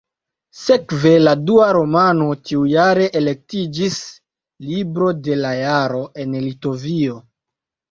Sekve la dua romano tiujare elektiĝis "Libro de la Jaro" en Litovio.